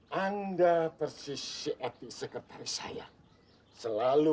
hai anda persis si etik sekretaris saya selalu